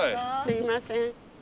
すいません。